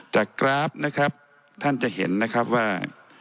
กราฟนะครับท่านจะเห็นนะครับว่า